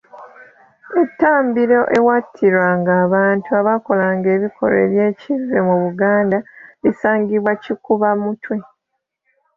Ettambiro ewattirwanga abantu abaakolanga ebikolwa eby’ekivve mu Buganda lisangibwa Kikubamutwe.